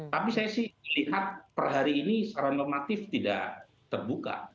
tapi saya sih melihat per hari ini secara normatif tidak terbuka